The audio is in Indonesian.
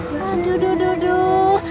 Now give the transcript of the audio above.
aduh duduh duduh